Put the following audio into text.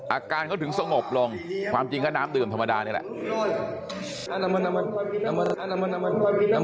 อาการเขาถึงสงบลงความจริงก็น้ำดื่มธรรมดานี่แหละ